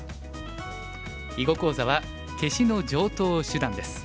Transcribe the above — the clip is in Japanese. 囲碁講座は「消しの常とう手段」です。